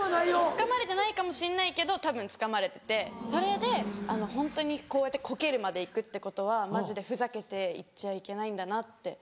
つかまれてないかもしんないけどたぶんつかまれててそれでホントにこうやってコケるまで行くってことはマジでふざけて行っちゃいけないんだなって。